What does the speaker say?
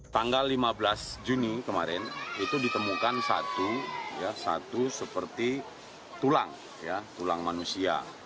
tanggal lima belas juni kemarin itu ditemukan satu seperti tulang tulang manusia